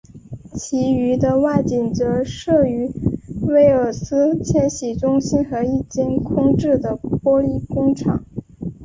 其余的外景则摄于威尔斯千禧中心和一间空置的玻璃工厂。